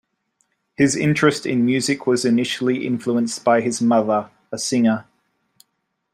His interest in music was initially influenced by his mother, a singer.